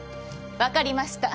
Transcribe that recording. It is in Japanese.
わかりました。